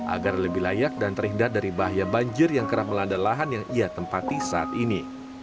agar lebih layak dan terhindar dari bahaya banjir yang kerap melanda lahan yang ia tempati saat ini